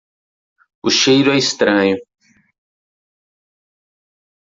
O cheiro é estranho.